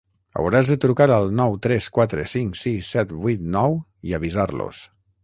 Hauràs de trucar al nou tres quatre cinc sis set vuit nou i avisar-los.